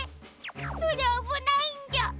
それあぶないんじゃ。